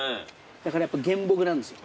だからやっぱ原木なんですよ。